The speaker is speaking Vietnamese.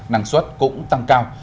năng suất cũng tăng cao